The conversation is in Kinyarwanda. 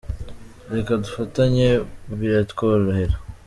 Reka dufatanye biratworohera.